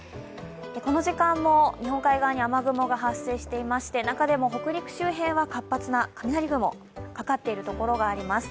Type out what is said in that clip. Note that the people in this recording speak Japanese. この時間も日本海側に雨雲が発生していまして中でも北陸周辺は活発な雷雲、かかっているところがあります。